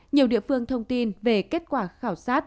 nhiều địa phương thông tin về kết quả khảo sát